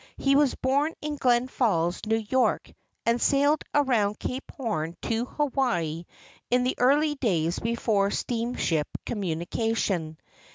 He was born in Glens Falls, N.Y., and sailed around Cape Horn to Hawaii in the early days before steam¬ ship communication.